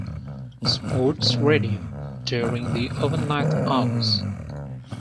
Sports Radio during the overnight hours.